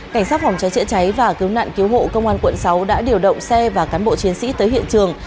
cảnh sát phòng cháy chữa cháy và cứu nạn cứu hộ công an quận sáu đã điều động xe và cán bộ chiến sĩ tới hiện trường